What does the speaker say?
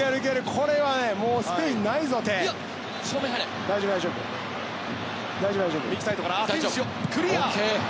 これはね、もうスペインないぞ、手。